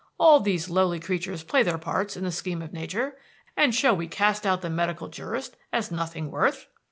All these lowly creatures play their parts in the scheme of nature; and shall we cast out the medical jurist as nothing worth?"